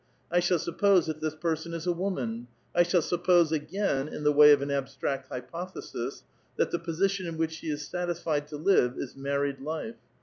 I shall suppose that this person is a woman ; I shall suppose again, in the way of an abstract hypothesis, that the position in which she is satisfied ^ Hve is married life.